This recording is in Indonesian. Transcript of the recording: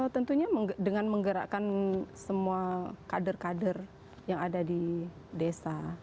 tentunya dengan menggerakkan semua kader kader yang ada di desa